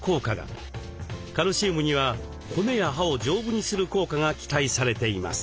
カルシウムには骨や歯を丈夫にする効果が期待されています。